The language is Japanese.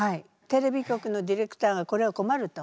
テレビ局のディレクターがこれはこまると。